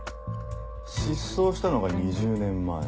失踪したのが２０年前。